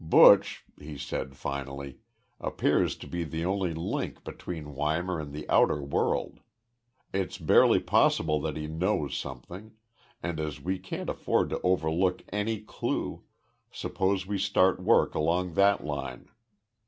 "Buch," he said, finally, "appears to be the only link between Weimar and the outer world. It's barely possible that he knows something, and, as we can't afford to overlook any clue, suppose we start work along that line.